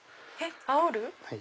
あおる？